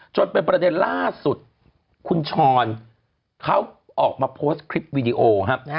จนเป็นประเด็นล่าสุดคุณชรเขาออกมาโพสต์คลิปวิดีโอครับ